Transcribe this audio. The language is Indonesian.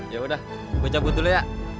ya udah gue cabut dulu ya